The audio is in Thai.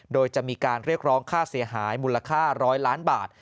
โดยจะมีการเรียกร้องค่าเสียหายมูลค่า๑๐๐ล้านบาท